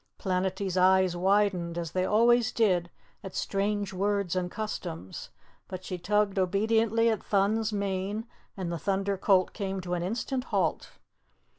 Planetty's eyes widened, as they always did at strange words and customs, but she tugged obediently at Thun's mane and the Thunder Colt came to an instant halt.